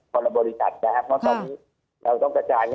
ละบริษัทนะครับเพราะตอนนี้เราต้องกระจาย